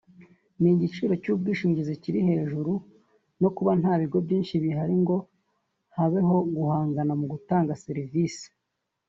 ni igiciro cy’ubwishingizi kikiri hejuru no kuba nta bigo byinshi bihari ngo habeho guhangana mu gutanga serivisi